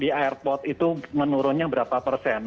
di airport itu menurunnya berapa persen